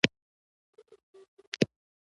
یوازې د ځان غم ورسره نه وي.